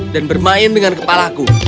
dan bermain dengan kepalaku